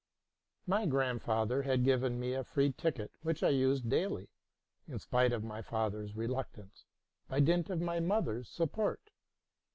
My grandfather had given me a free ticket, which I used daily, in spite of my father's reluctance, by dint of my mother's support.